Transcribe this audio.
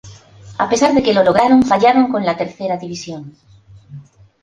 A pesar de que lo lograron, fallaron con la tercera división.